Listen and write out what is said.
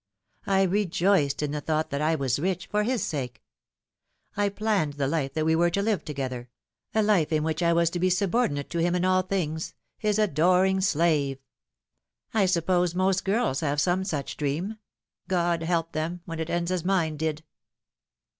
I rejoiced in the thought that I was rich, for his sake. I planned the life that we were to live together ; a life in which I was to be subordinate to him in all things his adoring slave. I suppose most girls have some such dream. God help them, when it ends as mine did